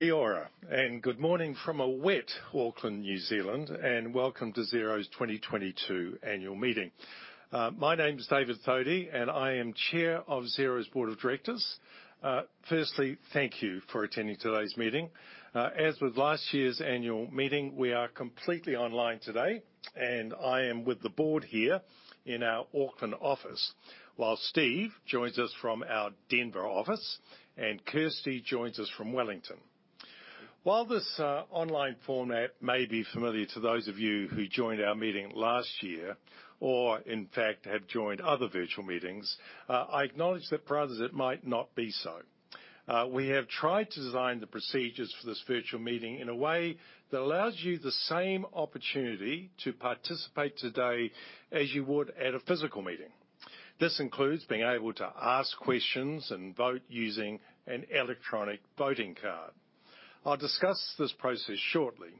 Kia ora. Good morning from a wet Auckland, New Zealand, and welcome to Xero's 2022 annual meeting. My name's David Thodey, and I am Chair of Xero's Board of Directors. Firstly, thank you for attending today's meeting. As with last year's annual meeting, we are completely online today, and I am with the board here in our Auckland office, while Steve joins us from our Denver office, and Kirsty joins us from Wellington. While this online format may be familiar to those of you who joined our meeting last year or, in fact, have joined other virtual meetings, I acknowledge that for others it might not be so. We have tried to design the procedures for this virtual meeting in a way that allows you the same opportunity to participate today as you would at a physical meeting. This includes being able to ask questions and vote using an electronic voting card. I'll discuss this process shortly.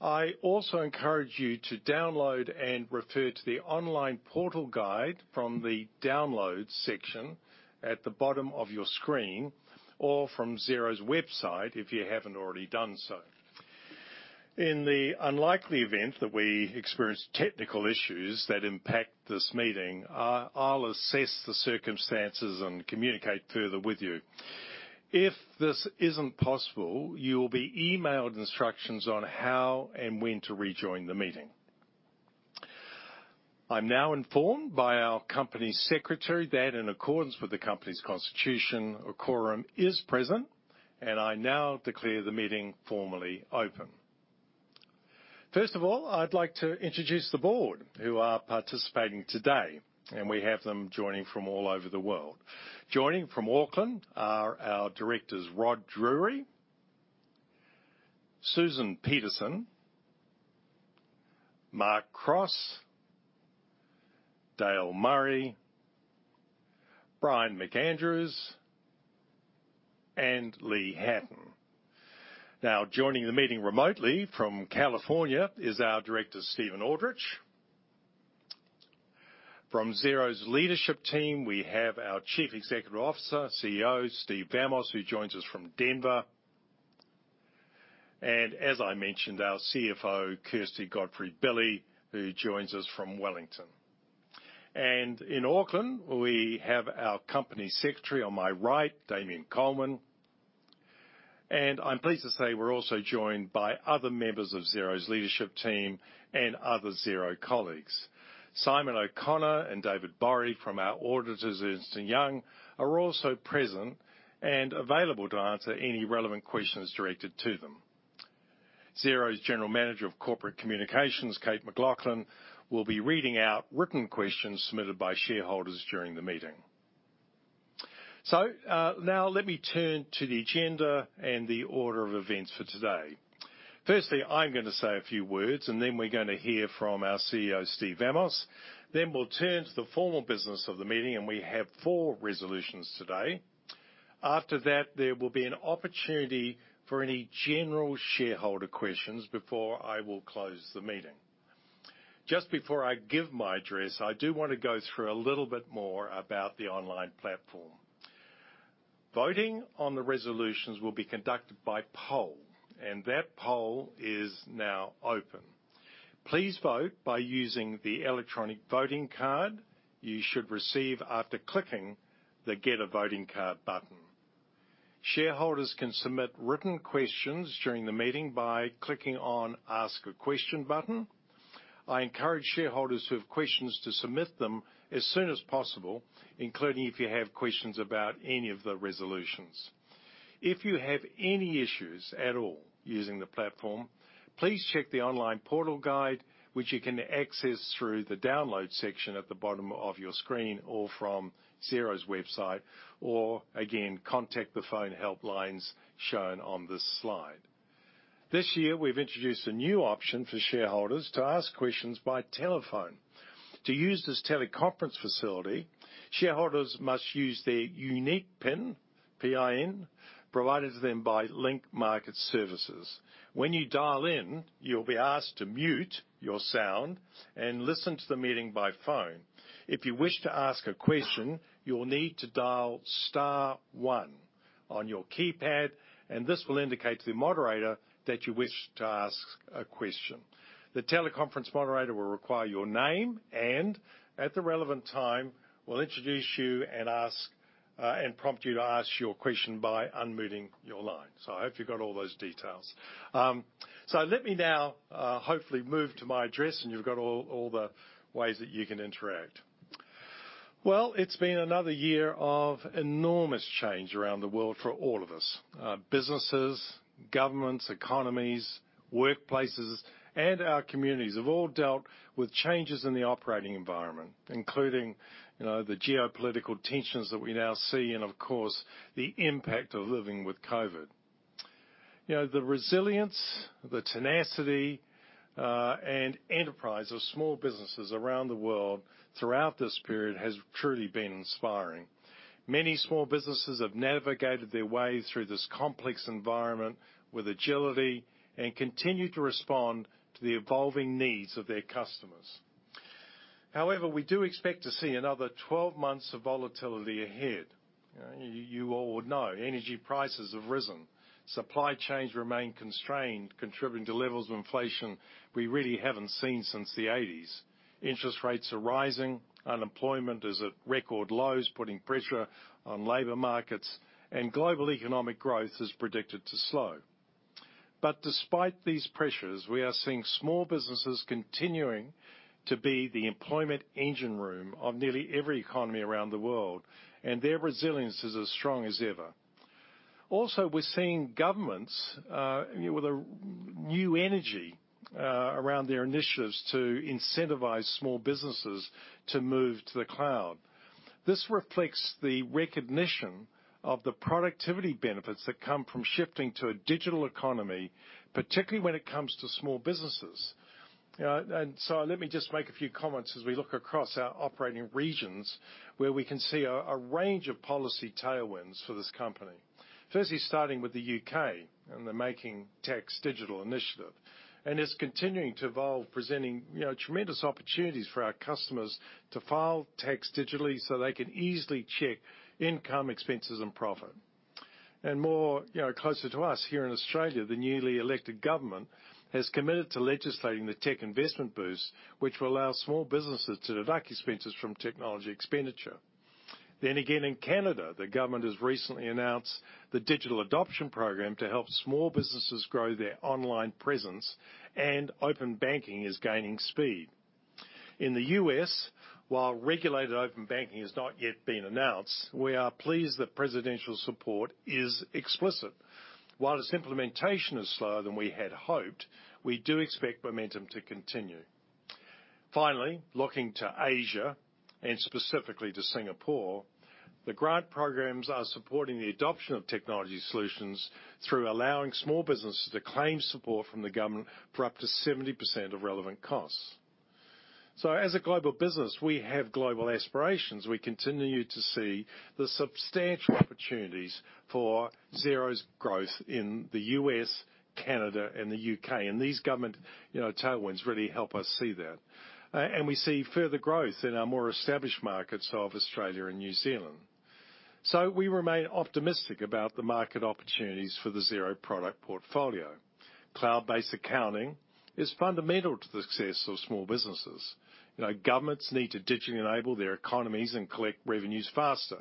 I also encourage you to download and refer to the online portal guide from the Downloads section at the bottom of your screen or from Xero's website if you haven't already done so. In the unlikely event that we experience technical issues that impact this meeting, I'll assess the circumstances and communicate further with you. If this isn't possible, you will be emailed instructions on how and when to rejoin the meeting. I'm now informed by our company secretary that, in accordance with the company's constitution, a quorum is present, and I now declare the meeting formally open. First of all, I'd like to introduce the board who are participating today, and we have them joining from all over the world. Joining from Auckland are our directors, Rod Drury, Susan Peterson, Mark Cross, Dale Murray, Brian McAndrews, and Lee Hatton. Now, joining the meeting remotely from California is our director, Steven Aldrich. From Xero's leadership team, we have our Chief Executive Officer, CEO, Steve Vamos, who joins us from Denver. As I mentioned, our CFO, Kirsty Godfrey-Billy, who joins us from Wellington. In Auckland, we have our Company Secretary on my right, Damien Coleman. I'm pleased to say we're also joined by other members of Xero's leadership team and other Xero colleagues. Simon O'Connor and David Burry from our auditors, Ernst & Young, are also present and available to answer any relevant questions directed to them. Xero's General Manager of Corporate Communications, Kate McLaughlin, will be reading out written questions submitted by shareholders during the meeting. Now let me turn to the agenda and the order of events for today. Firstly, I'm gonna say a few words, and then we're gonna hear from our CEO, Steve Vamos. We'll turn to the formal business of the meeting, and we have four resolutions today. After that, there will be an opportunity for any general shareholder questions before I will close the meeting. Just before I give my address, I do wanna go through a little bit more about the online platform. Voting on the resolutions will be conducted by poll, and that poll is now open. Please vote by using the electronic voting card you should receive after clicking the Get a Voting Card button. Shareholders can submit written questions during the meeting by clicking on Ask a Question button. I encourage shareholders who have questions to submit them as soon as possible, including if you have questions about any of the resolutions. If you have any issues at all using the platform, please check the online portal guide, which you can access through the Downloads section at the bottom of your screen or from Xero's website, or, again, contact the phone helplines shown on this slide. This year, we've introduced a new option for shareholders to ask questions by telephone. To use this teleconference facility, shareholders must use their unique PIN provided to them by Link Market Services. When you dial in, you'll be asked to mute your sound and listen to the meeting by phone. If you wish to ask a question, you'll need to dial star one on your keypad, and this will indicate to the moderator that you wish to ask a question. The teleconference moderator will require your name and, at the relevant time, will introduce you and ask, and prompt you to ask your question by unmuting your line. I hope you've got all those details. Let me now, hopefully, move to my address, and you've got all the ways that you can interact. Well, it's been another year of enormous change around the world for all of us. Businesses, governments, economies, workplaces, and our communities have all dealt with changes in the operating environment, including, you know, the geopolitical tensions that we now see and, of course, the impact of living with COVID. You know, the resilience, the tenacity, and enterprise of small businesses around the world throughout this period has truly been inspiring. Many small businesses have navigated their way through this complex environment with agility and continue to respond to the evolving needs of their customers. However, we do expect to see another 12 months of volatility ahead. You know, you all would know energy prices have risen. Supply chains remain constrained, contributing to levels of inflation we really haven't seen since the 1980s. Interest rates are rising. Unemployment is at record lows, putting pressure on labor markets, and global economic growth is predicted to slow. Despite these pressures, we are seeing small businesses continuing to be the employment engine room of nearly every economy around the world, and their resilience is as strong as ever. Also, we're seeing governments, you know, with a renewed energy, around their initiatives to incentivize small businesses to move to the cloud. This reflects the recognition of the productivity benefits that come from shifting to a digital economy, particularly when it comes to small businesses. You know, let me just make a few comments as we look across our operating regions where we can see a range of policy tailwinds for this company. Firstly, starting with the U.K. and the Making Tax Digital initiative. It's continuing to evolve, presenting, you know, tremendous opportunities for our customers to file tax digitally so they can easily check income, expenses, and profit. More, you know, closer to us here in Australia, the newly elected government has committed to legislating the tech investment boost, which will allow small businesses to deduct expenses from technology expenditure. Again, in Canada, the government has recently announced the digital adoption program to help small businesses grow their online presence, and Open Banking is gaining speed. In the U.S., while regulated Open Banking has not yet been announced, we are pleased that presidential support is explicit. While its implementation is slower than we had hoped, we do expect momentum to continue. Finally, looking to Asia and specifically to Singapore, the grant programs are supporting the adoption of technology solutions through allowing small businesses to claim support from the government for up to 70% of relevant costs. So as a global business, we have global aspirations. We continue to see the substantial opportunities for Xero's growth in the U.S., Canada, and the U.K., and these government, you know, tailwinds really help us see that. We see further growth in our more established markets of Australia and New Zealand. We remain optimistic about the market opportunities for the Xero product portfolio. Cloud-based accounting is fundamental to the success of small businesses. You know, governments need to digitally enable their economies and collect revenues faster.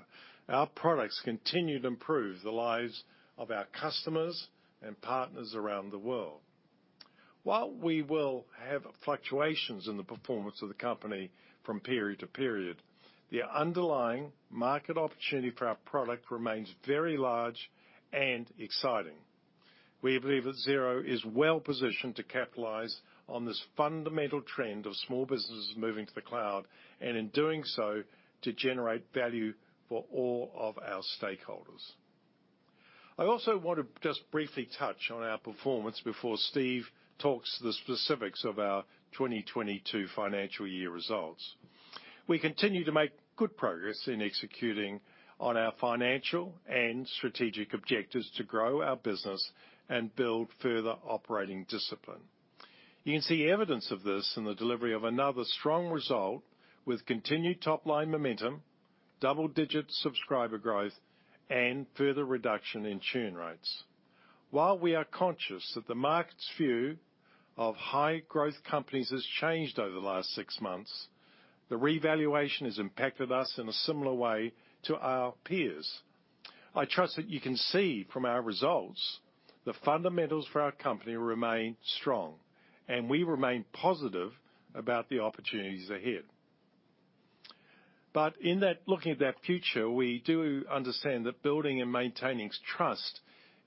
Our products continue to improve the lives of our customers and partners around the world. While we will have fluctuations in the performance of the company from period to period, the underlying market opportunity for our product remains very large and exciting. We believe that Xero is well positioned to capitalize on this fundamental trend of small businesses moving to the cloud and, in doing so, to generate value for all of our stakeholders. I also wanna just briefly touch on our performance before Steve talks to the specifics of our 2022 financial year results. We continue to make good progress in executing on our financial and strategic objectives to grow our business and build further operating discipline. You can see evidence of this in the delivery of another strong result with continued top-line momentum, double-digit subscriber growth, and further reduction in churn rates. While we are conscious that the market's view of high-growth companies has changed over the last six months, the revaluation has impacted us in a similar way to our peers. I trust that you can see from our results the fundamentals for our company remain strong, and we remain positive about the opportunities ahead. In that looking at that future, we do understand that building and maintaining trust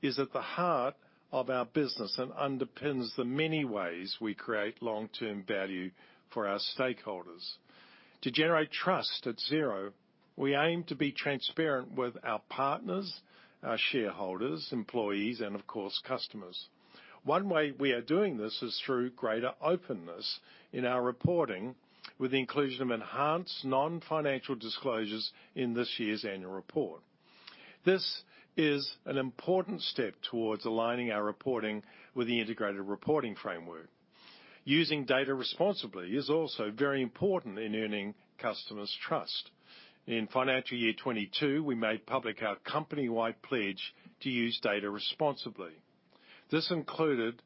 is at the heart of our business and underpins the many ways we create long-term value for our stakeholders. To generate trust at Xero, we aim to be transparent with our partners, our shareholders, employees, and, of course, customers. One way we are doing this is through greater openness in our reporting with the inclusion of enhanced non-financial disclosures in this year's annual report. This is an important step towards aligning our reporting with the integrated reporting framework. Using data responsibly is also very important in earning customers' trust. In financial year 2022, we made public our company-wide pledge to use data responsibly. This included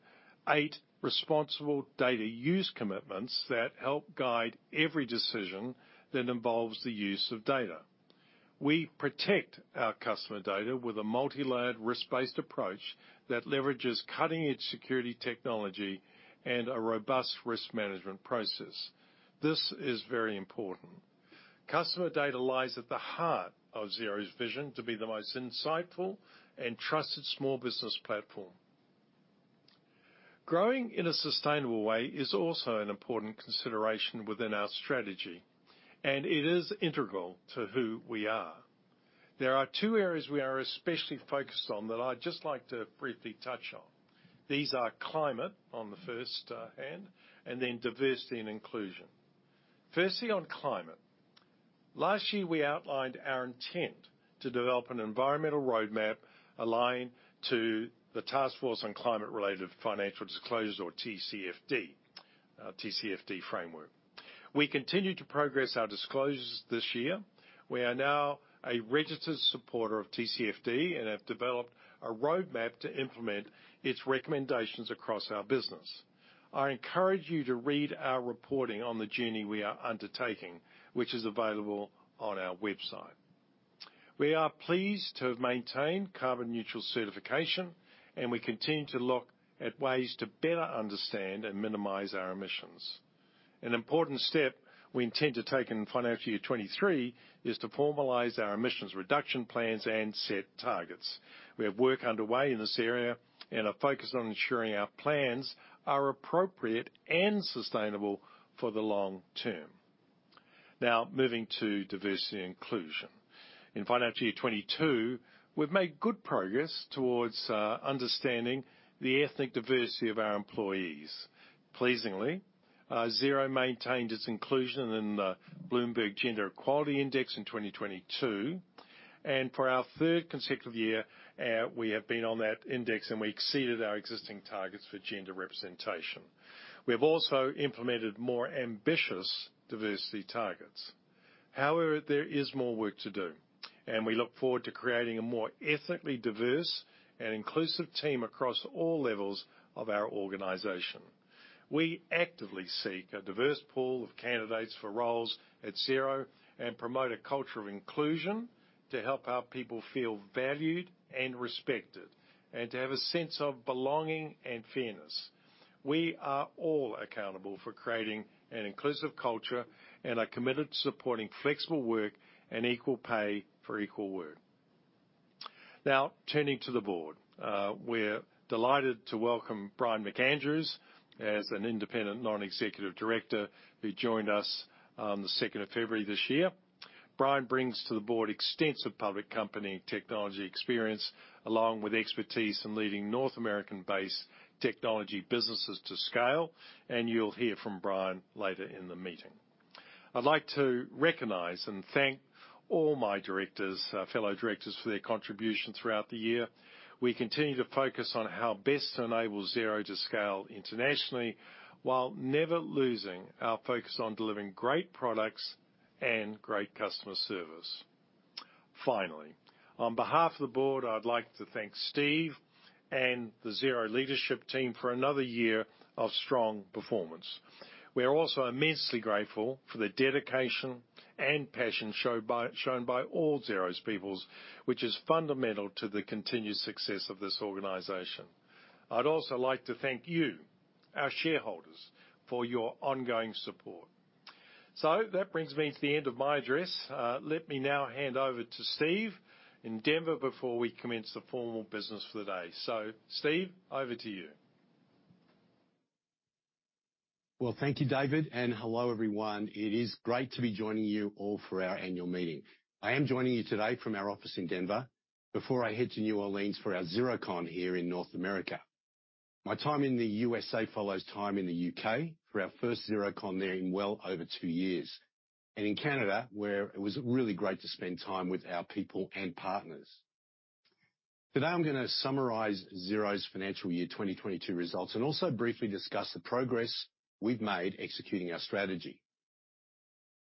eight responsible data use commitments that help guide every decision that involves the use of data. We protect our customer data with a multi-layered, risk-based approach that leverages cutting-edge security technology and a robust risk management process. This is very important. Customer data lies at the heart of Xero's vision to be the most insightful and trusted small business platform. Growing in a sustainable way is also an important consideration within our strategy, and it is integral to who we are. There are two areas we are especially focused on that I'd just like to briefly touch on. These are climate on the one hand and then diversity and inclusion. Firstly, on climate. Last year, we outlined our intent to develop an environmental roadmap aligned to the Task Force on Climate-related Financial Disclosures, or TCFD framework. We continue to progress our disclosures this year. We are now a registered supporter of TCFD and have developed a roadmap to implement its recommendations across our business. I encourage you to read our reporting on the journey we are undertaking, which is available on our website. We are pleased to have maintained carbon-neutral certification, and we continue to look at ways to better understand and minimize our emissions. An important step we intend to take in financial year 2023 is to formalize our emissions reduction plans and set targets. We have work underway in this area and are focused on ensuring our plans are appropriate and sustainable for the long term. Now, moving to diversity and inclusion. In financial year 2022, we've made good progress towards understanding the ethnic diversity of our employees. Pleasingly, Xero maintained its inclusion in the Bloomberg Gender-Equality Index in 2022. For our third consecutive year, we have been on that index, and we exceeded our existing targets for gender representation. We have also implemented more ambitious diversity targets. However, there is more work to do, and we look forward to creating a more ethnically diverse and inclusive team across all levels of our organization. We actively seek a diverse pool of candidates for roles at Xero and promote a culture of inclusion to help our people feel valued and respected and to have a sense of belonging and fairness. We are all accountable for creating an inclusive culture and are committed to supporting flexible work and equal pay for equal work. Now, turning to the board, we're delighted to welcome Brian McAndrews as an independent non-executive director who joined us on the 2nd of February this year. Brian brings to the board extensive public company technology experience along with expertise in leading North American-based technology businesses to scale, and you'll hear from Brian later in the meeting. I'd like to recognize and thank all my directors, fellow directors, for their contribution throughout the year. We continue to focus on how best to enable Xero to scale internationally while never losing our focus on delivering great products and great customer service. Finally, on behalf of the Board, I'd like to thank Steve and the Xero leadership team for another year of strong performance. We are also immensely grateful for the dedication and passion shown by all Xero's people, which is fundamental to the continued success of this organization. I'd also like to thank you, our shareholders, for your ongoing support. That brings me to the end of my address. Let me now hand over to Steve in Denver before we commence the formal business for the day. Steve, over to you. Well, thank you, David, and hello, everyone. It is great to be joining you all for our annual meeting. I am joining you today from our office in Denver before I head to New Orleans for our Xerocon here in North America. My time in the USA follows time in the U.K. for our first Xerocon there in well over two years, and in Canada, where it was really great to spend time with our people and partners. Today, I'm gonna summarize Xero's financial year 2022 results and also briefly discuss the progress we've made executing our strategy.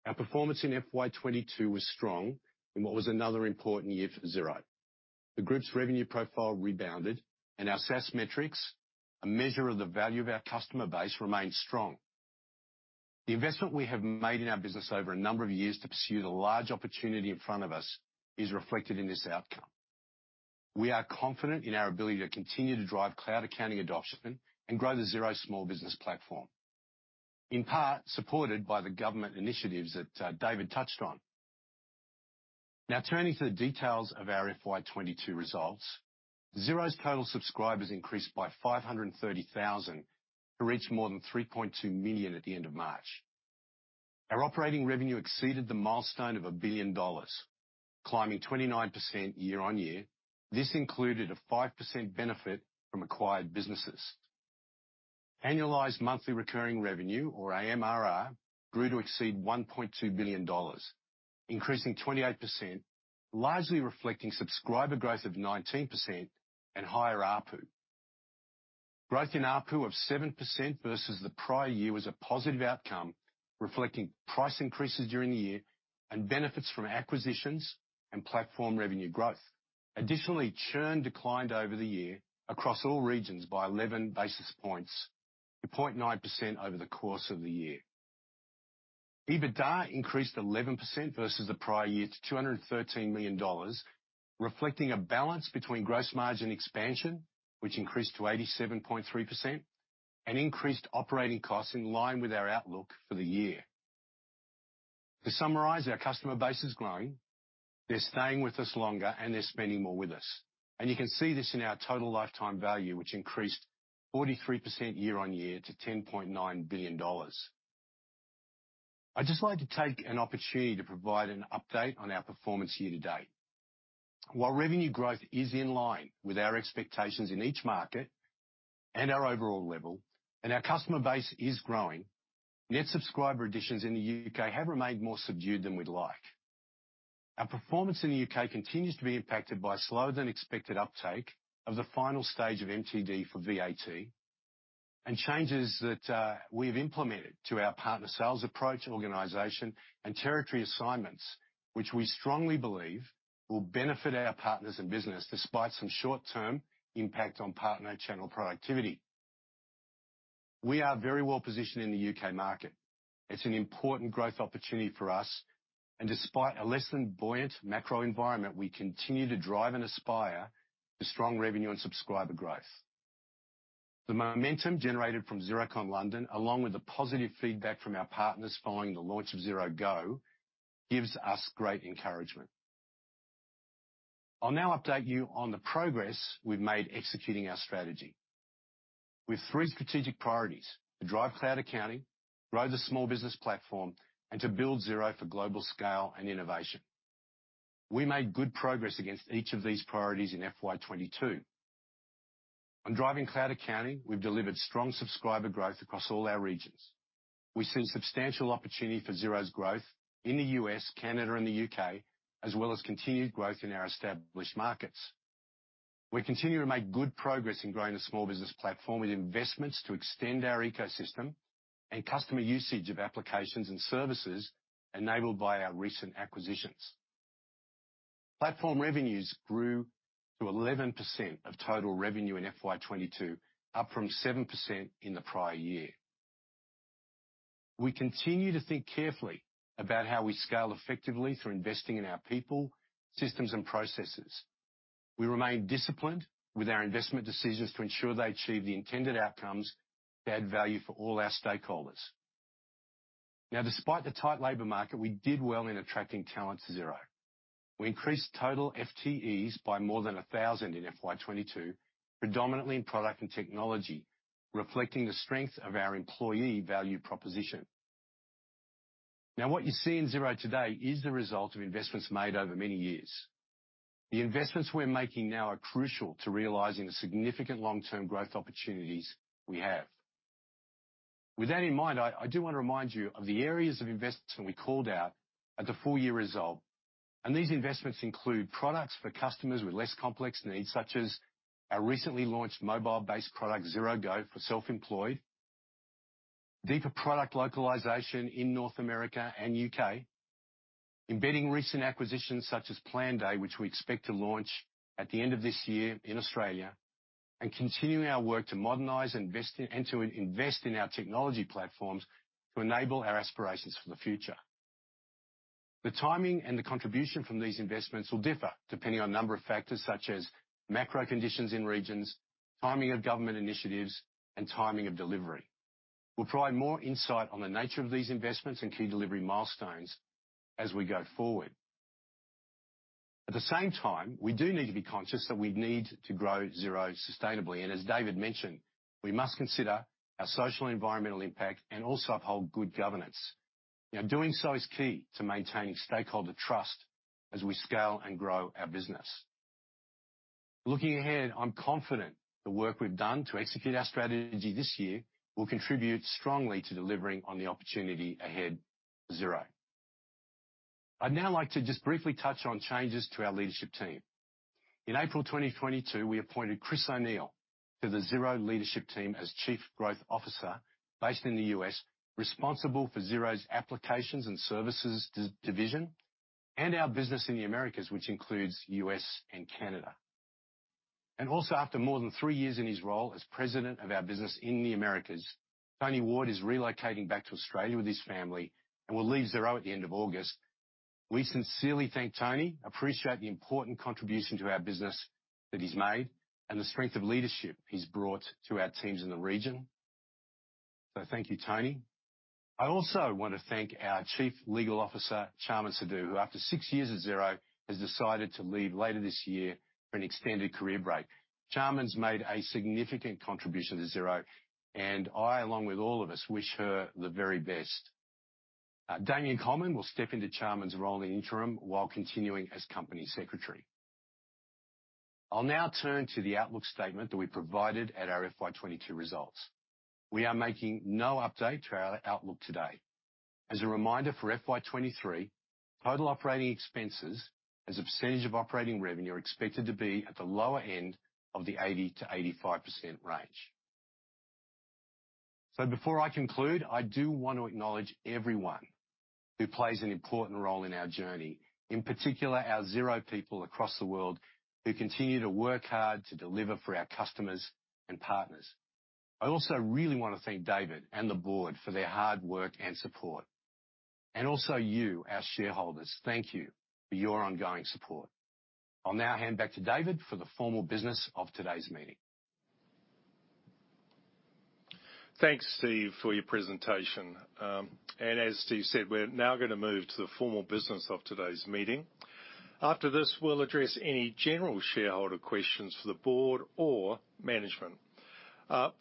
Our performance in FY22 was strong in what was another important year for Xero. The group's revenue profile rebounded, and our SaaS metrics, a measure of the value of our customer base, remained strong. The investment we have made in our business over a number of years to pursue the large opportunity in front of us is reflected in this outcome. We are confident in our ability to continue to drive cloud accounting adoption and grow the Xero small business platform, in part supported by the government initiatives that David touched on. Now, turning to the details of our FY22 results, Xero's total subscribers increased by 530,000 to reach more than 3.2 million at the end of March. Our operating revenue exceeded the milestone of 1 billion dollars, climbing 29% year-over-year. This included a 5% benefit from acquired businesses. Annualized monthly recurring revenue, or AMRR, grew to exceed 1.2 billion dollars, increasing 28%, largely reflecting subscriber growth of 19% and higher ARPU. Growth in ARPU of 7% versus the prior year was a positive outcome, reflecting price increases during the year and benefits from acquisitions and platform revenue growth. Additionally, churn declined over the year across all regions by 11 basis points to 0.9% over the course of the year. EBITDA increased 11% versus the prior year to 213 million dollars, reflecting a balance between gross margin expansion, which increased to 87.3%, and increased operating costs in line with our outlook for the year. To summarize, our customer base is growing. They're staying with us longer, and they're spending more with us. You can see this in our total lifetime value, which increased 43% year-over-year to NZD 10.9 billion. I'd just like to take an opportunity to provide an update on our performance year-to-date. While revenue growth is in line with our expectations in each market and our overall level and our customer base is growing, net subscriber additions in the U.K. have remained more subdued than we'd like. Our performance in the U.K. continues to be impacted by slower-than-expected uptake of the final stage of MTD for VAT and changes that we have implemented to our partner sales approach, organization, and territory assignments, which we strongly believe will benefit our partners and business despite some short-term impact on partner channel productivity. We are very well positioned in the U.K. market. It's an important growth opportunity for us. Despite a less than buoyant macro environment, we continue to drive and aspire to strong revenue and subscriber growth. The momentum generated from Xerocon London, along with the positive feedback from our partners following the launch of Xero Go, gives us great encouragement. I'll now update you on the progress we've made executing our strategy. We have three strategic priorities, to drive cloud accounting, grow the small business platform, and to build Xero for global scale and innovation. We made good progress against each of these priorities in FY22. On driving cloud accounting, we've delivered strong subscriber growth across all our regions. We see substantial opportunity for Xero's growth in the U.S., Canada, and the U.K., as well as continued growth in our established markets. We continue to make good progress in growing the small business platform with investments to extend our ecosystem and customer usage of applications and services enabled by our recent acquisitions. Platform revenues grew to 11% of total revenue in FY22, up from 7% in the prior year. We continue to think carefully about how we scale effectively through investing in our people, systems, and processes. We remain disciplined with our investment decisions to ensure they achieve the intended outcomes to add value for all our stakeholders. Now, despite the tight labor market, we did well in attracting talent to Xero. We increased total FTEs by more than 1,000 in FY22, predominantly in product and technology, reflecting the strength of our employee value proposition. Now, what you see in Xero today is the result of investments made over many years. The investments we're making now are crucial to realizing the significant long-term growth opportunities we have. With that in mind, I do wanna remind you of the areas of investment we called out at the full-year result. These investments include products for customers with less complex needs, such as our recently launched mobile-based product Xero Go for self-employed, deeper product localization in North America and U.K., embedding recent acquisitions such as Planday, which we expect to launch at the end of this year in Australia, and continuing our work to modernize and invest in our technology platforms to enable our aspirations for the future. The timing and the contribution from these investments will differ depending on a number of factors, such as macro conditions in regions, timing of government initiatives, and timing of delivery. We'll provide more insight on the nature of these investments and key delivery milestones as we go forward. At the same time, we do need to be conscious that we need to grow Xero sustainably. As David mentioned, we must consider our social and environmental impact and also uphold good governance. Now, doing so is key to maintaining stakeholder trust as we scale and grow our business. Looking ahead, I'm confident the work we've done to execute our strategy this year will contribute strongly to delivering on the opportunity ahead for Xero. I'd now like to just briefly touch on changes to our leadership team. In April 2022, we appointed Chris O'Neill to the Xero leadership team as Chief Growth Officer based in the U.S., responsible for Xero's Applications and Services division and our business in the Americas, which includes the U.S. and Canada. Also, after more than three years in his role as President of our business in the Americas, Tony Ward is relocating back to Australia with his family and will leave Xero at the end of August. We sincerely thank Tony, appreciate the important contribution to our business that he's made, and the strength of leadership he's brought to our teams in the region. Thank you, Tony. I also wanna thank our Chief Legal Officer, Chaman Sidhu, who, after six years at Xero, has decided to leave later this year for an extended career break. Chaman's made a significant contribution to Xero, and I, along with all of us, wish her the very best. Damien Coleman will step into Chaman's role in interim while continuing as Company Secretary. I'll now turn to the outlook statement that we provided at our FY22 results. We are making no update to our outlook today. As a reminder for FY23, total operating expenses as a percentage of operating revenue are expected to be at the lower end of the 80%-85% range. Before I conclude, I do wanna acknowledge everyone who plays an important role in our journey, in particular, our Xero people across the world who continue to work hard to deliver for our customers and partners. I also really wanna thank David and the board for their hard work and support. Also you, our shareholders. Thank you for your ongoing support. I'll now hand back to David for the formal business of today's meeting. Thanks, Steve, for your presentation. As Steve said, we're now gonna move to the formal business of today's meeting. After this, we'll address any general shareholder questions for the board or management.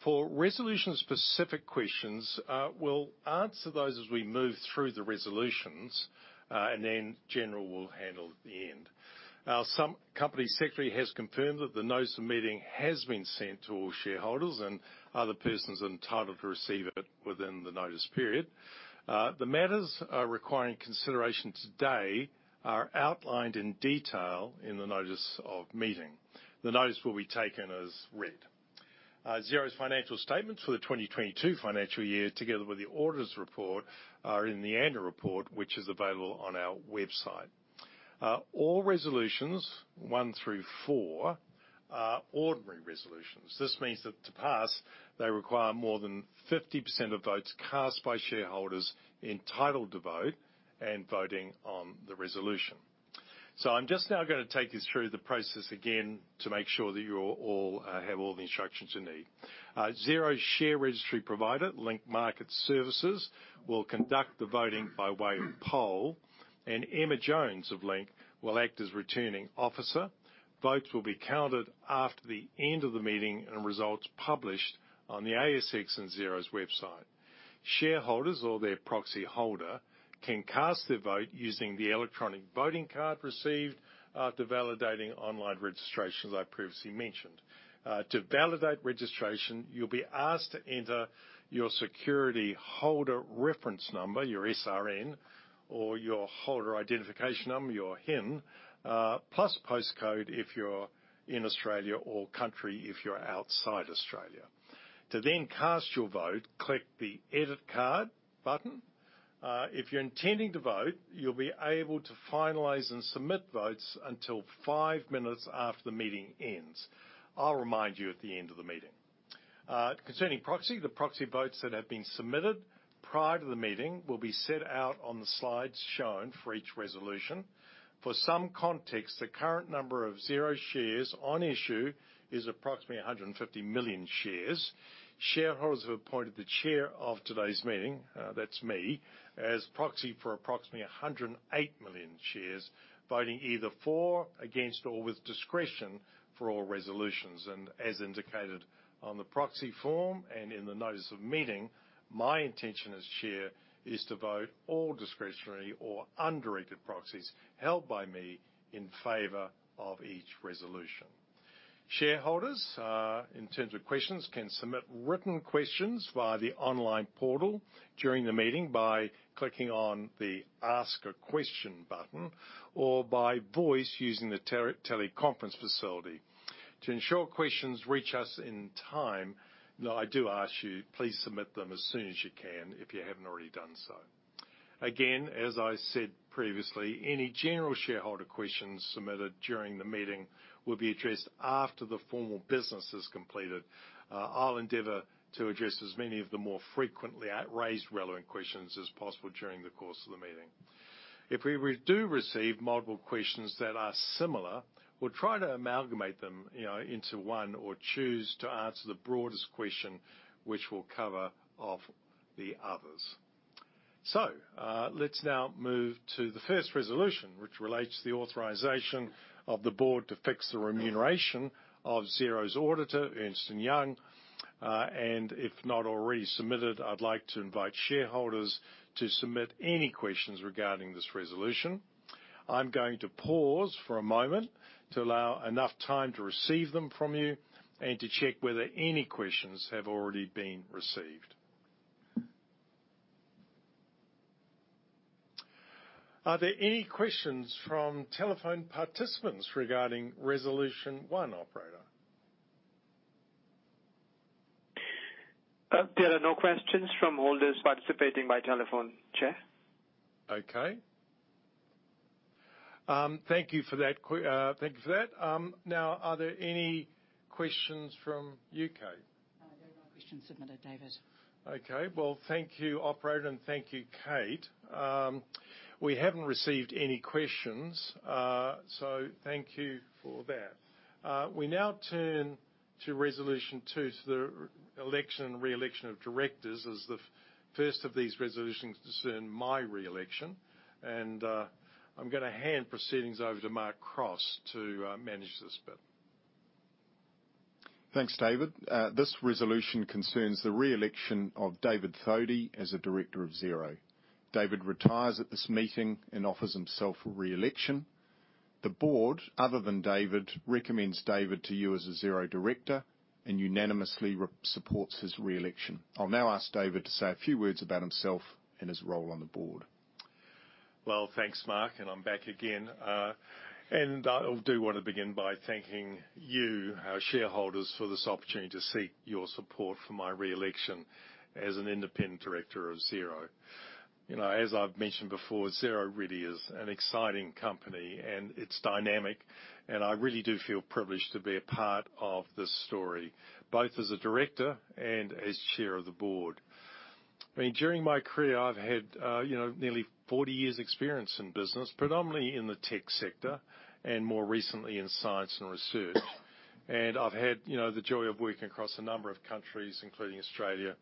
For resolution-specific questions, we'll answer those as we move through the resolutions, and then general will handle at the end. The Company Secretary has confirmed that the notice of meeting has been sent to all shareholders and other persons entitled to receive it within the notice period. The matters requiring consideration today are outlined in detail in the notice of meeting. The notice will be taken as read. Xero's financial statements for the 2022 financial year, together with the auditors' report, are in the annual report, which is available on our website. All resolutions one through four are ordinary resolutions. This means that to pass, they require more than 50% of votes cast by shareholders entitled to vote and voting on the resolution. I'm just now gonna take you through the process again to make sure that you all have all the instructions you need. Xero's share registry provider, Link Market Services, will conduct the voting by way of poll, and Emma Jones of Link will act as Returning Officer. Votes will be counted after the end of the meeting and results published on the ASX and Xero's website. Shareholders or their proxy holder can cast their vote using the electronic voting card received to validate online registration as I previously mentioned. To validate registration, you'll be asked to enter your security holder reference number, your SRN, or your holder identification number, your HIN, plus postcode if you're in Australia or country code if you're outside Australia. To then cast your vote, click the edit card button. If you're intending to vote, you'll be able to finalize and submit votes until five minutes after the meeting ends. I'll remind you at the end of the meeting. Concerning proxy, the proxy votes that have been submitted prior to the meeting will be set out on the slides shown for each resolution. For some context, the current number of Xero shares on issue is approximately 150 million shares. Shareholders have appointed the chair of today's meeting, that's me, as proxy for approximately 108 million shares, voting either for, against, or with discretion for all resolutions. As indicated on the proxy form and in the notice of meeting, my intention as chair is to vote all discretionary or undirected proxies held by me in favor of each resolution. Shareholders, in terms of questions, can submit written questions via the online portal during the meeting by clicking on the ask a question button or by voice using the teleconference facility. To ensure questions reach us in time, though, I do ask you, please submit them as soon as you can if you haven't already done so. Again, as I said previously, any general shareholder questions submitted during the meeting will be addressed after the formal business is completed. I'll endeavor to address as many of the more frequently raised relevant questions as possible during the course of the meeting. If we do receive multiple questions that are similar, we'll try to amalgamate them, you know, into one or choose to answer the broadest question, which we'll cover off the others. Let's now move to the first resolution, which relates to the authorization of the board to fix the remuneration of Xero's auditor, Ernst & Young, and if not already submitted, I'd like to invite shareholders to submit any questions regarding this resolution. I'm going to pause for a moment to allow enough time to receive them from you and to check whether any questions have already been received. Are there any questions from telephone participants regarding resolution one, operator? There are no questions from holders participating by telephone, Chair. Okay. Thank you for that. Now, are there any questions from U.K.? There are no questions submitted, David. Okay. Well, thank you, operator, and thank you, Kate. We haven't received any questions, so thank you for that. We now turn to resolution two, to the re-election and reelection of directors, as the first of these resolutions concern my reelection. I'm gonna hand proceedings over to Mark Cross to manage this bit. Thanks, David. This resolution concerns the reelection of David Thodey as a director of Xero. David retires at this meeting and offers himself for reelection. The board, other than David, recommends David to you as a Xero director and unanimously supports his reelection. I'll now ask David to say a few words about himself and his role on the board. Well, thanks, Mark. I'm back again. I'll do wanna begin by thanking you, shareholders, for this opportunity to seek your support for my reelection as an independent director of Xero. You know, as I've mentioned before, Xero really is an exciting company, and it's dynamic. I really do feel privileged to be a part of this story, both as a director and as chair of the board. I mean, during my career, I've had, you know, nearly 40 years' experience in business, predominantly in the tech sector and more recently in science and research. I've had, you know, the joy of working across a number of countries, including Australia,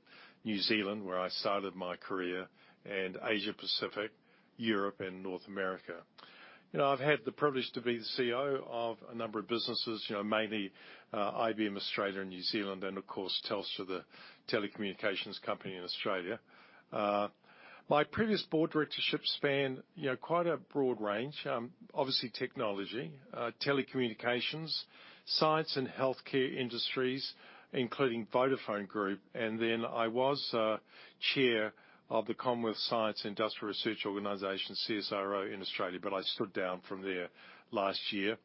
New Zealand, where I started my career, and Asia-Pacific, Europe, and North America. You know, I've had the privilege to be the CEO of a number of businesses, you know, mainly IBM Australia and New Zealand and, of course, Telstra the telecommunications company in Australia. My previous board directorship spanned, you know, quite a broad range. Obviously, technology, telecommunications, science, and healthcare industries, including Vodafone Group. I was chair of the Commonwealth Scientific and Industrial Research Organisation, CSIRO, in Australia, but I stood down from there last year.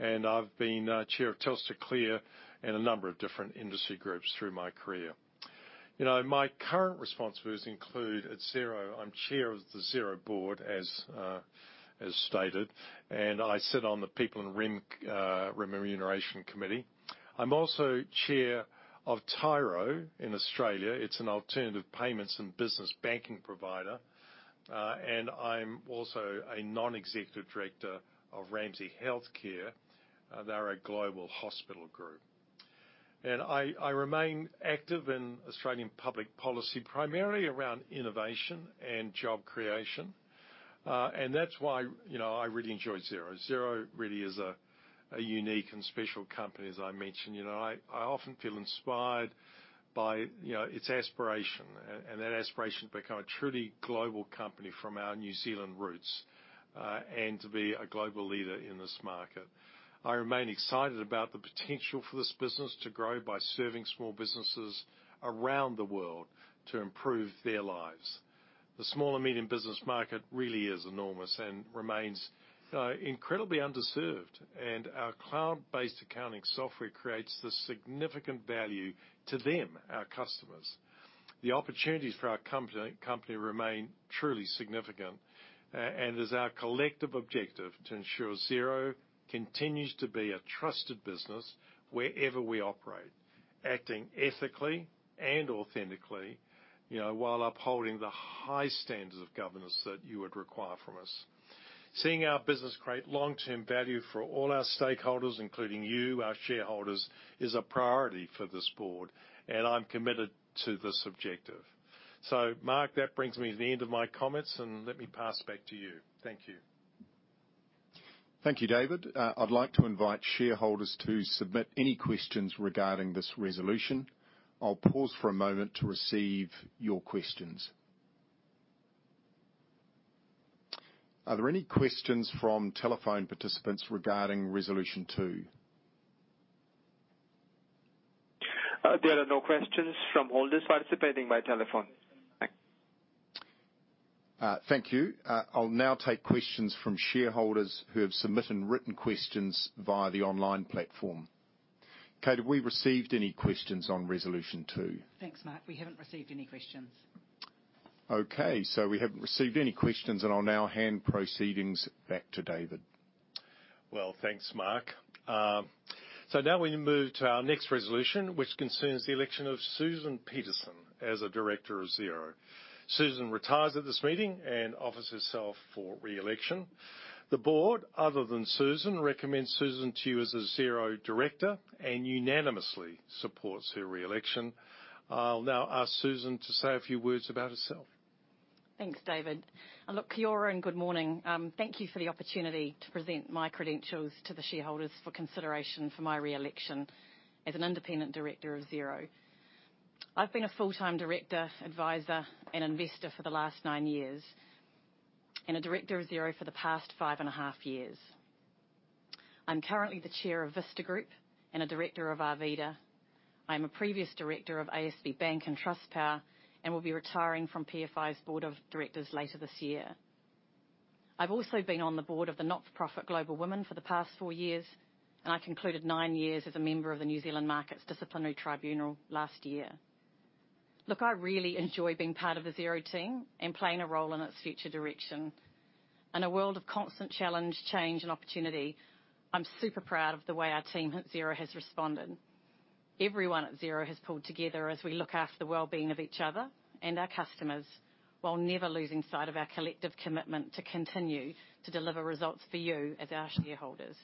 I've been chair of TelstraClear and a number of different industry groups through my career. You know, my current responsibilities include at Xero. I'm Chair of the Xero board, as stated, and I sit on the People and Remuneration Committee. I'm also Chair of Tyro in Australia. It's an alternative payments and business banking provider. I'm also a non-executive director of Ramsay Health Care. They're a global hospital group. I remain active in Australian public policy, primarily around innovation and job creation. That's why, you know, I really enjoy Xero. Xero really is a unique and special company, as I mentioned. You know, I often feel inspired by, you know, its aspiration, and that aspiration to become a truly global company from our New Zealand roots, and to be a global leader in this market. I remain excited about the potential for this business to grow by serving small businesses around the world to improve their lives. The small and medium business market really is enormous and remains, you know, incredibly underserved. Our cloud-based accounting software creates this significant value to them, our customers. The opportunities for our company remain truly significant. It is our collective objective to ensure Xero continues to be a trusted business wherever we operate, acting ethically and authentically, you know, while upholding the high standards of governance that you would require from us. Seeing our business create long-term value for all our stakeholders, including you, our shareholders, is a priority for this board, and I'm committed to this objective. Mark, that brings me to the end of my comments, and let me pass back to you. Thank you. Thank you, David. I'd like to invite shareholders to submit any questions regarding this resolution. I'll pause for a moment to receive your questions. Are there any questions from telephone participants regarding resolution two? There are no questions from holders participating by telephone. Thanks. Thank you. I'll now take questions from shareholders who have submitted written questions via the online platform. Kate, have we received any questions on resolution two? Thanks, Mark. We haven't received any questions. Okay. We haven't received any questions, and I'll now hand proceedings back to David. Well, thanks, Mark. Now we move to our next resolution, which concerns the election of Susan Peterson as a director of Xero. Susan retires at this meeting and offers herself for reelection. The board, other than Susan, recommends Susan to you as a Xero director and unanimously supports her reelection. I'll now ask Susan to say a few words about herself. Thanks, David. Look, kia ora and good morning. Thank you for the opportunity to present my credentials to the shareholders for consideration for my reelection as an independent director of Xero. I've been a full-time director, advisor, and investor for the last nine years and a director of Xero for the past five and a half years. I'm currently the chair of Vista Group and a director of Arvida. I am a previous director of ASB Bank and Trustpower and will be retiring from PFI's board of directors later this year. I've also been on the board of the not-for-profit Global Women for the past four years, and I concluded nine years as a member of the NZ Markets Disciplinary Tribunal last year. Look, I really enjoy being part of the Xero team and playing a role in its future direction. In a world of constant challenge, change, and opportunity, I'm super proud of the way our team at Xero has responded. Everyone at Xero has pulled together as we look after the well-being of each other and our customers while never losing sight of our collective commitment to continue to deliver results for you as our shareholders.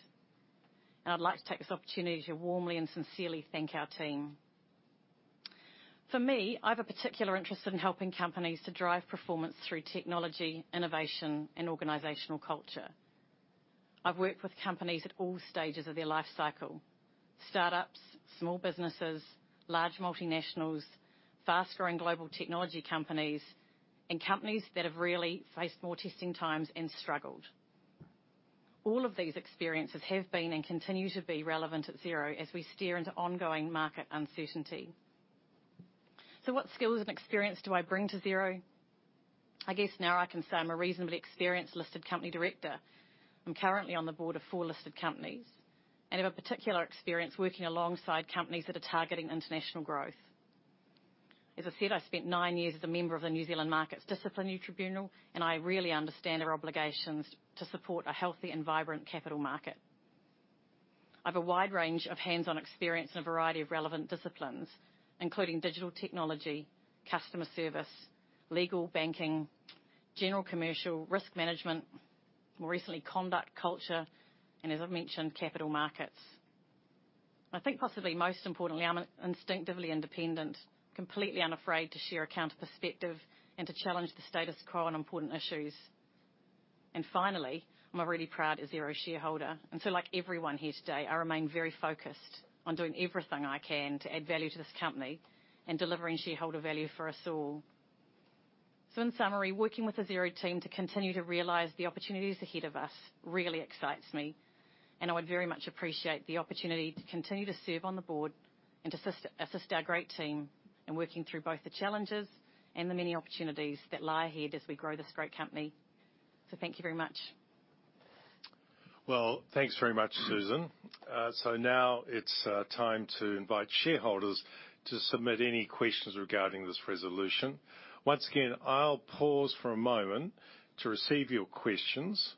I'd like to take this opportunity to warmly and sincerely thank our team. For me, I have a particular interest in helping companies to drive performance through technology, innovation, and organizational culture. I've worked with companies at all stages of their life cycle, startups, small businesses, large multinationals, fast-growing global technology companies, and companies that have really faced more testing times and struggled. All of these experiences have been and continue to be relevant at Xero as we stare into ongoing market uncertainty. What skills and experience do I bring to Xero? I guess now I can say I'm a reasonably experienced listed company director. I'm currently on the board of four listed companies and have a particular experience working alongside companies that are targeting international growth. As I said, I spent nine years as a member of the NZ Markets Disciplinary Tribunal, and I really understand our obligations to support a healthy and vibrant capital market. I have a wide range of hands-on experience in a variety of relevant disciplines, including digital technology, customer service, legal, banking, general commercial, risk management, more recently, conduct culture, and, as I've mentioned, capital markets. I think possibly most importantly, I'm an instinctively independent, completely unafraid to share a counterperspective and to challenge the status quo on important issues. Finally, I'm a really proud Xero shareholder. Like everyone here today, I remain very focused on doing everything I can to add value to this company and delivering shareholder value for us all. In summary, working with the Xero team to continue to realize the opportunities ahead of us really excites me, and I would very much appreciate the opportunity to continue to serve on the board and to assist our great team in working through both the challenges and the many opportunities that lie ahead as we grow this great company. Thank you very much. Well, thanks very much, Susan. Now it's time to invite shareholders to submit any questions regarding this resolution. Once again, I'll pause for a moment to receive your questions,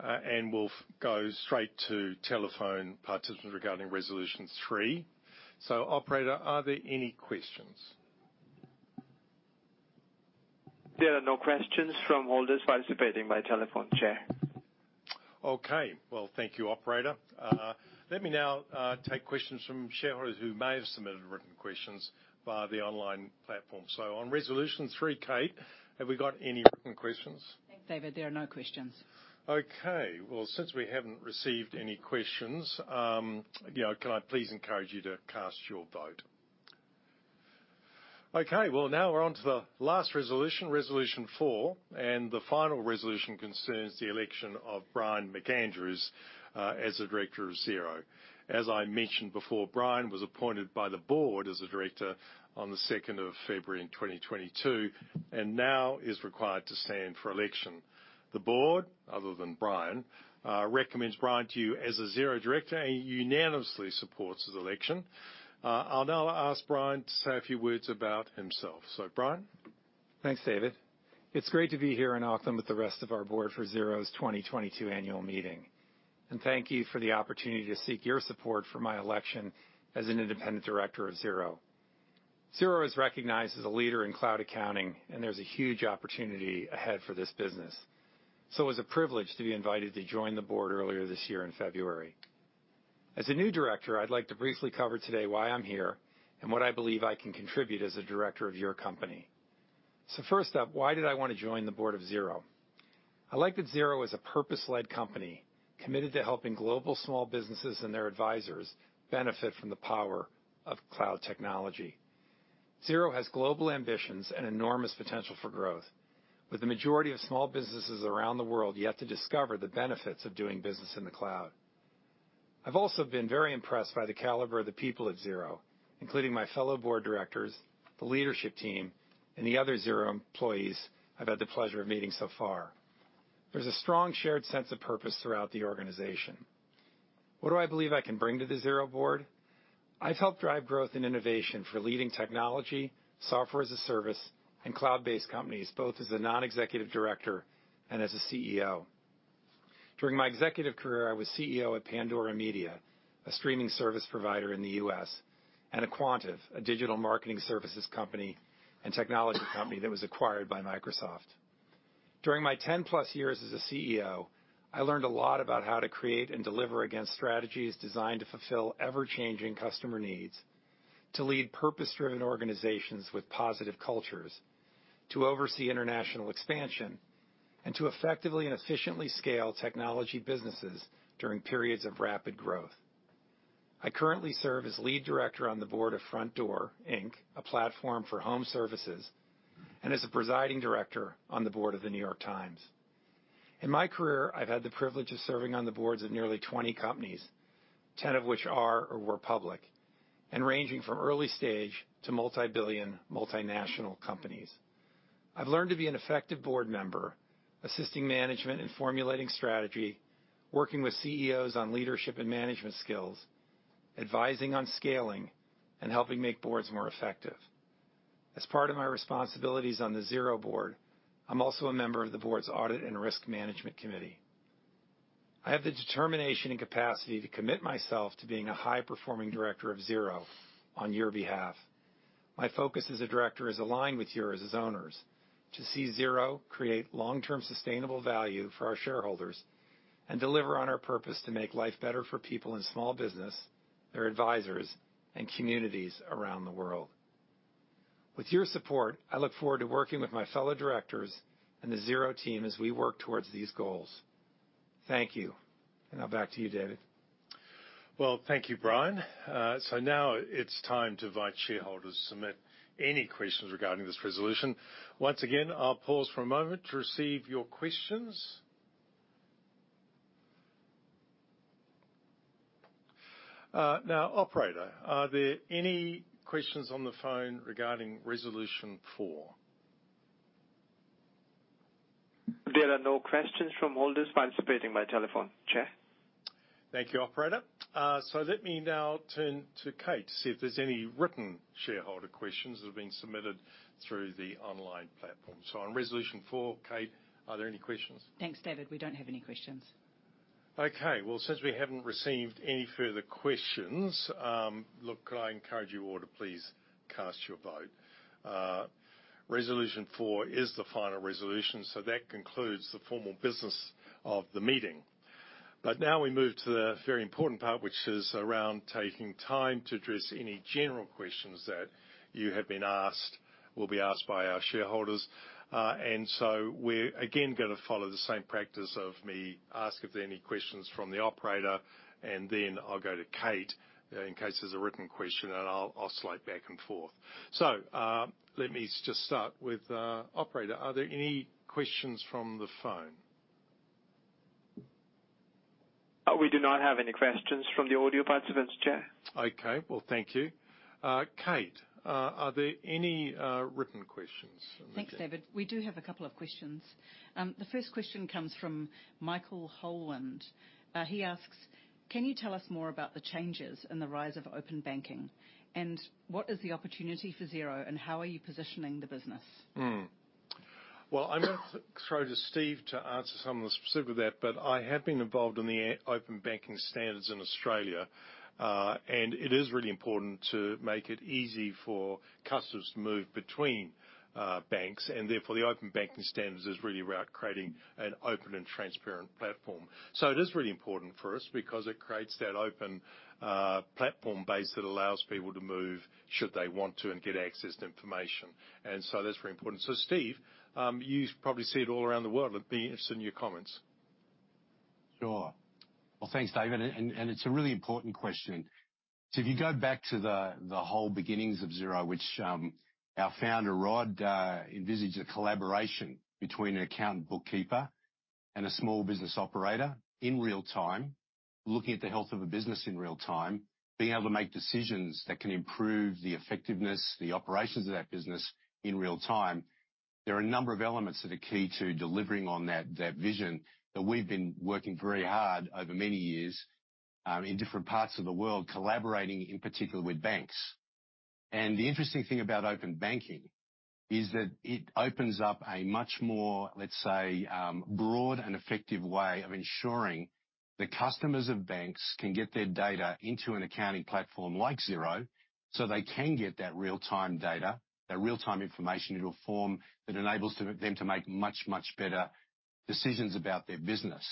and we'll go straight to telephone participants regarding resolution three. Operator, are there any questions? There are no questions from holders participating by telephone, Chair. Okay. Well, thank you, operator. Let me now take questions from shareholders who may have submitted written questions via the online platform. On resolution three, Kate, have we got any written questions? Thanks, David. There are no questions. Okay. Well, since we haven't received any questions, you know, can I please encourage you to cast your vote? Okay. Well, now we're on to the last resolution four, and the final resolution concerns the election of Brian McAndrews as a director of Xero. As I mentioned before, Brian was appointed by the board as a director on the 2nd of February, 2022, and now is required to stand for election. The board, other than Brian, recommends Brian to you as a Xero director and unanimously supports his election. I'll now ask Brian to say a few words about himself. Brian. Thanks, David. It's great to be here in Auckland with the rest of our board for Xero's 2022 annual meeting. Thank you for the opportunity to seek your support for my election as an independent director of Xero. Xero is recognized as a leader in cloud accounting, and there's a huge opportunity ahead for this business. It was a privilege to be invited to join the board earlier this year in February. As a new director, I'd like to briefly cover today why I'm here and what I believe I can contribute as a director of your company. First up, why did I wanna join the board of Xero? I like that Xero is a purpose-led company committed to helping global small businesses and their advisors benefit from the power of cloud technology. Xero has global ambitions and enormous potential for growth, with the majority of small businesses around the world yet to discover the benefits of doing business in the cloud. I've also been very impressed by the caliber of the people at Xero, including my fellow board directors, the leadership team, and the other Xero employees I've had the pleasure of meeting so far. There's a strong shared sense of purpose throughout the organization. What do I believe I can bring to the Xero board? I've helped drive growth and innovation for leading technology, software as a service, and cloud-based companies, both as a non-executive director and as a CEO. During my executive career, I was CEO at Pandora Media, a streaming service provider in the U.S., and aQuantive, a digital marketing services company and technology company that was acquired by Microsoft. During my 10+ years as a CEO, I learned a lot about how to create and deliver against strategies designed to fulfill ever-changing customer needs, to lead purpose-driven organizations with positive cultures, to oversee international expansion, and to effectively and efficiently scale technology businesses during periods of rapid growth. I currently serve as lead director on the board of Frontdoor, Inc., a platform for home services, and as a presiding director on the board of The New York Times. In my career, I've had the privilege of serving on the boards of nearly 20 companies, 10 of which are or were public, and ranging from early-stage to multibillion, multinational companies. I've learned to be an effective board member, assisting management in formulating strategy, working with CEOs on leadership and management skills, advising on scaling, and helping make boards more effective. As part of my responsibilities on the Xero board, I'm also a member of the board's audit and risk management committee. I have the determination and capacity to commit myself to being a high-performing director of Xero on your behalf. My focus as a director is aligned with yours as owners to see Xero create long-term sustainable value for our shareholders and deliver on our purpose to make life better for people in small business, their advisors, and communities around the world. With your support, I look forward to working with my fellow directors and the Xero team as we work towards these goals. Thank you. Now back to you, David. Well, thank you, Brian. Now it's time to invite shareholders to submit any questions regarding this resolution. Once again, I'll pause for a moment to receive your questions. Now, operator, are there any questions on the phone regarding resolution four? There are no questions from holders participating by telephone, Chair. Thank you, operator. Let me now turn to Kate to see if there's any written shareholder questions that have been submitted through the online platform. On resolution four, Kate, are there any questions? Thanks, David. We don't have any questions. Okay. Well, since we haven't received any further questions, look, I encourage you all to please cast your vote. Resolution four is the final resolution, so that concludes the formal business of the meeting. Now we move to the very important part, which is around taking time to address any general questions that you have been asked, will be asked by our shareholders. We're, again, gonna follow the same practice of me asking if there are any questions from the operator, and then I'll go to Kate, in case there's a written question, and I'll oscillate back and forth. Let me just start with, operator. Are there any questions from the phone? We do not have any questions from the audio participants, Chair. Okay. Well, thank you. Kate, are there any written questions? Thanks, David. We do have a couple of questions. The first question comes from Michael Holland. He asks, "Can you tell us more about the changes and the rise of Open Banking, and what is the opportunity for Xero, and how are you positioning the business? Well, I'm gonna throw to Steve to answer some of the specifics of that, but I have been involved in the Open Banking standards in Australia, and it is really important to make it easy for customers to move between banks. Therefore, the Open Banking standards is really about creating an open and transparent platform. It is really important for us because it creates that open platform base that allows people to move should they want to and get access to information. That's very important. Steve, you've probably seen it all around the world. I'd be interested in your comments. Sure. Well, thanks, David. It's a really important question. If you go back to the whole beginnings of Xero, which our founder, Rod, envisaged a collaboration between an accountant bookkeeper and a small business operator in real time, looking at the health of a business in real time, being able to make decisions that can improve the effectiveness, the operations of that business in real time, there are a number of elements that are key to delivering on that vision that we've been working very hard over many years, in different parts of the world, collaborating in particular with banks. The interesting thing about Open Banking is that it opens up a much more, let's say, broad and effective way of ensuring the customers of banks can get their data into an accounting platform like Xero so they can get that real-time data, that real-time information in a form that enables them to make much, much better decisions about their business.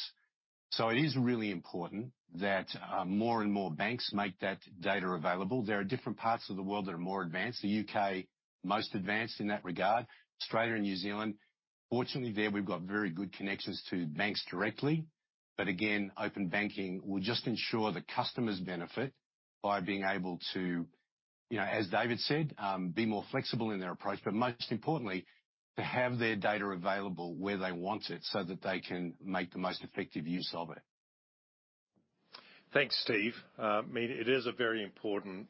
It is really important that, more and more banks make that data available. There are different parts of the world that are more advanced. The U.K., most advanced in that regard. Australia and New Zealand. Fortunately, there, we've got very good connections to banks directly. Again, open banking will just ensure the customers benefit by being able to, you know, as David said, be more flexible in their approach, but most importantly, to have their data available where they want it so that they can make the most effective use of it. Thanks, Steve. I mean, it is a very important,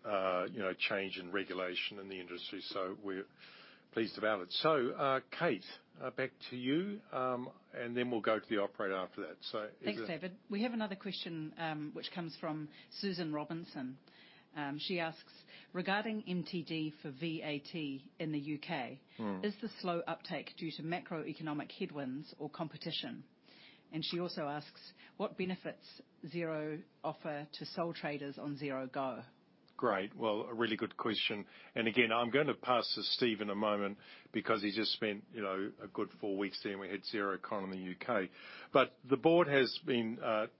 you know, change in regulation in the industry, so we're pleased about it. Kate, back to you, and then we'll go to the operator after that. Is there. Thanks, David. We have another question, which comes from Susan Robinson. She asks, "Regarding MTD for VAT in the U.K. Is the slow uptake due to macroeconomic headwinds or competition?" She also asks, "What benefits Xero offer to sole traders on Xero Go? Great. Well, a really good question. Again, I'm gonna pass to Steve in a moment because he just spent, you know, a good four weeks there, and we had Xerocon in the U.K. The board has been,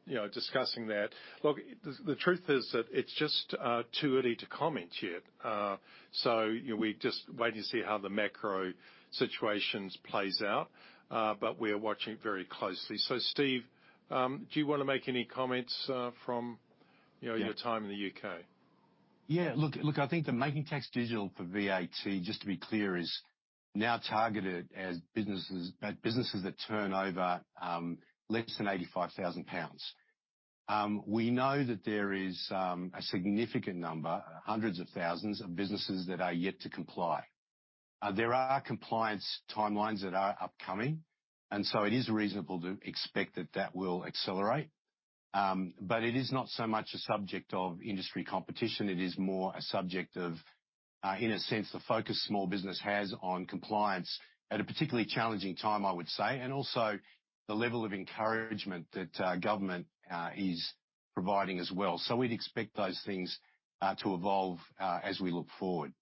you know, discussing that. Look, the truth is that it's just too early to comment yet. You know, we're just waiting to see how the macro situation plays out, but we are watching it very closely. Steve, do you wanna make any comments from, you know, your time in the U.K.? Yeah. Look, I think Making Tax Digital for VAT, just to be clear, is now targeted at businesses that turn over less than 85,000 pounds. We know that there is a significant number, hundreds of thousands, of businesses that are yet to comply. There are compliance timelines that are upcoming, and it is reasonable to expect that that will accelerate. It is not so much a subject of industry competition. It is more a subject of, in a sense, the focus small business has on compliance at a particularly challenging time, I would say, and also the level of encouragement that government is providing as well. We'd expect those things to evolve as we look forward.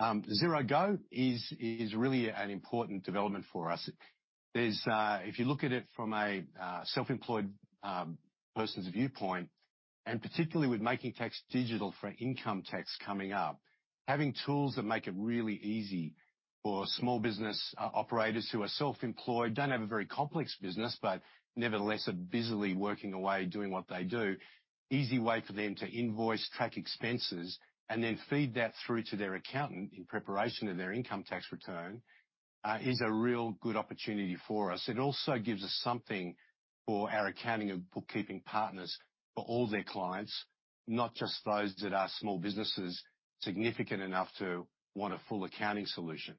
Xero Go is really an important development for us. If you look at it from a self-employed person's viewpoint, and particularly with Making Tax Digital for income tax coming up, having tools that make it really easy for small business operators who are self-employed, don't have a very complex business but nevertheless are busily working away doing what they do, easy way for them to invoice, track expenses, and then feed that through to their accountant in preparation of their income tax return, is a real good opportunity for us. It also gives us something for our accounting and bookkeeping partners for all their clients, not just those that are small businesses significant enough to want a full accounting solution.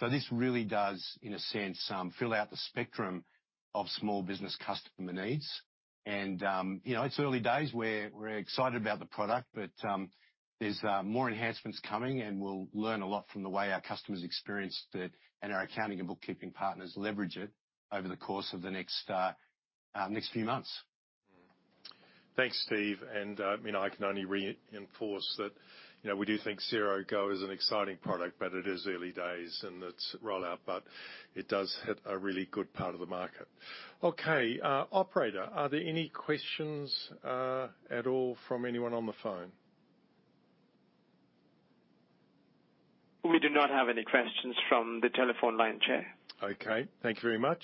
This really does, in a sense, fill out the spectrum of small business customer needs. You know, it's early days where we're excited about the product, but there's more enhancements coming, and we'll learn a lot from the way our customers experience it and our accounting and bookkeeping partners leverage it over the course of the next few months. Thanks, Steve. I mean, I can only reinforce that, you know, we do think Xero Go is an exciting product, but it is early days, and its rollout, but it does hit a really good part of the market. Okay. Operator, are there any questions, at all from anyone on the phone? We do not have any questions from the telephone line, Chair. Okay. Thank you very much.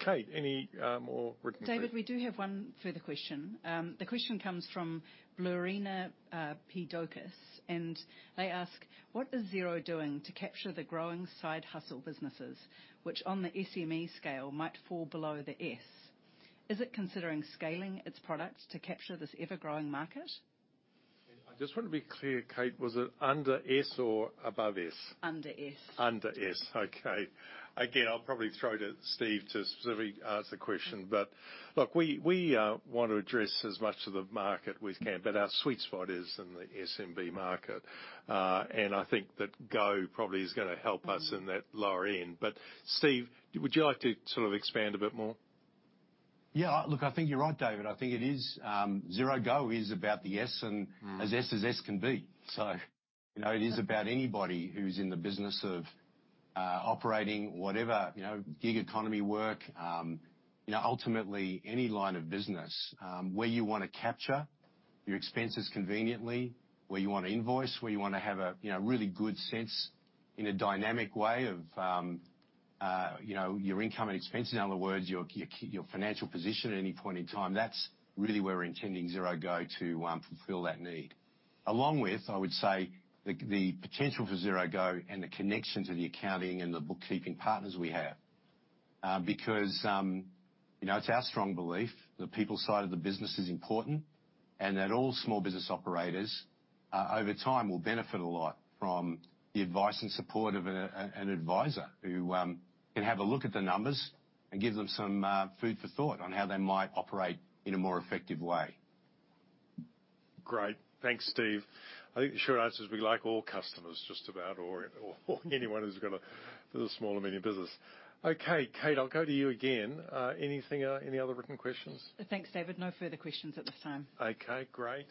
Kate, any more written questions? David, we do have one further question. The question comes from Bluerina P. Docus, and they ask, "What is Xero doing to capture the growing side hustle businesses, which on the SME scale might fall below the S? Is it considering scaling its product to capture this ever-growing market? I just wanna be clear, Kate. Was it under S or above S? Under S. Okay. Again, I'll probably throw to Steve to specifically answer the question, but look, we wanna address as much of the market we can, but our sweet spot is in the SMB market. I think that Go probably is gonna help us in that lower end. Steve, would you like to sort of expand a bit more? Yeah. Look, I think you're right, David. I think it is, Xero Go is about the SMB end. As SMB as SMB can be. You know, it is about anybody who's in the business of operating whatever, you know, gig economy work, you know, ultimately, any line of business, where you wanna capture your expenses conveniently, where you wanna invoice, where you wanna have a, you know, really good sense in a dynamic way of, you know, your income and expenses, in other words, your current financial position at any point in time. That's really where we're intending Xero Go to fulfill that need, along with, I would say, the potential for Xero Go and the connection to the accounting and the bookkeeping partners we have, because, you know, it's our strong belief the people side of the business is important and that all small business operators, over time, will benefit a lot from the advice and support of an advisor who can have a look at the numbers and give them some food for thought on how they might operate in a more effective way. Great. Thanks, Steve. I think the short answer is we like all customers just about or anyone who's got a foot in the small or medium business. Okay. Kate, I'll go to you again. Any other written questions? Thanks, David. No further questions at this time. Okay. Great.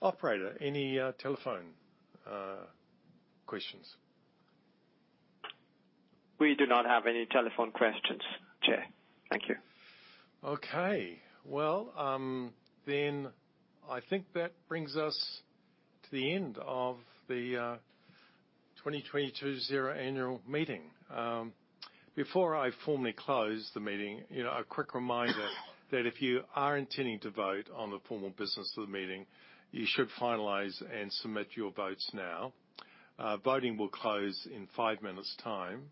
Operator, any telephone questions? We do not have any telephone questions, Chair. Thank you. Okay. Well, I think that brings us to the end of the 2022 Xero annual meeting. Before I formally close the meeting, you know, a quick reminder that if you are intending to vote on the formal business of the meeting, you should finalize and submit your votes now. Voting will close in five minutes' time.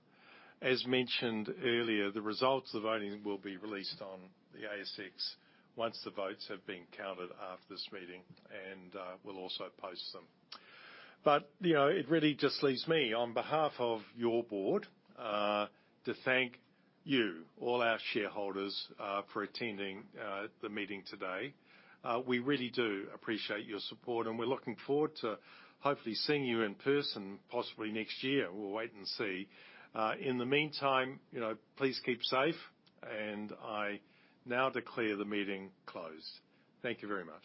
As mentioned earlier, the results of the voting will be released on the ASX once the votes have been counted after this meeting, and we'll also post them. You know, it really just leaves me on behalf of your board to thank you all our shareholders for attending the meeting today. We really do appreciate your support, and we're looking forward to hopefully seeing you in person possibly next year. We'll wait and see. In the meantime, you know, please keep safe, and I now declare the meeting closed. Thank you very much.